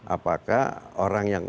apakah orang yang